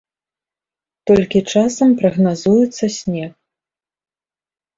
Толькі часам прагназуецца снег.